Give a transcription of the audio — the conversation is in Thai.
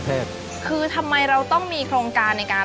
ไปดูกันค่ะว่าหน้าตาของเจ้าปาการังอ่อนนั้นจะเป็นแบบไหน